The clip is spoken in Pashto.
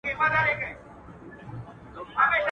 o بډاى ئې له خواره گټي، خوار ئې له بډايه.